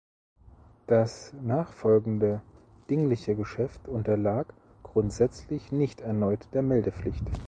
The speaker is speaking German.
Das nachfolgende dingliche Geschäft unterlag grundsätzlich nicht erneut der Meldepflicht.